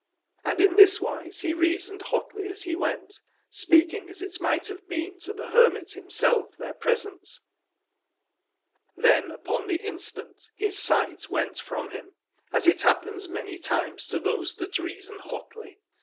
And in this wise he reasoned hotly as he went, speaking as it might have been to the hermit himself there present. Then upon the instant his sight went from him, as it happens many times to those that reason hotly.